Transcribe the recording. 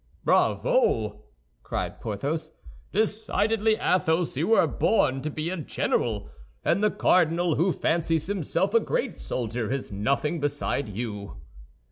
"Bravo!" cried Porthos. "Decidedly, Athos, you were born to be a general, and the cardinal, who fancies himself a great soldier, is nothing beside you."